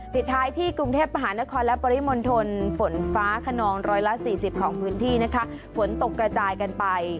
สุดท้ายที่กรุงเทพมหานครและปริมณฑลฝนฟ้าขนองร้อยละสี่สิบของพื้นที่นะคะฝนตกกระจายกันไป